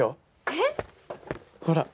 えっ？ほら。